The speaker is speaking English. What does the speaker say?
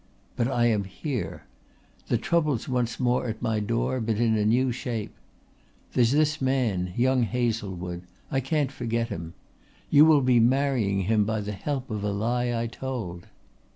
But I am here. The trouble's once more at my door but in a new shape. There's this man, young Hazlewood. I can't forget him. You will be marrying him by the help of a lie I told."